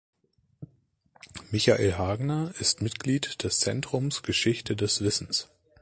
Michael Hagner ist Mitglied des Zentrums Geschichte des Wissens.